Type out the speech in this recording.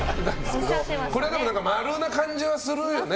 これは○な感じはするよね。